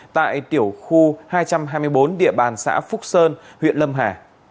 tại tiểu khu hai trăm hai mươi bốn địa bàn xã phúc sơn huyện lâm hà